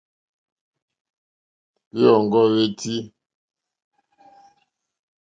Hwèɔ́ŋɡɔ́ hwétí.